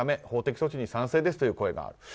法的措置に賛成ですという声がある。